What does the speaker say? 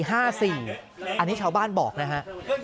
ห้าสี่อันนี้ชาวบ้านบอกนะฮะ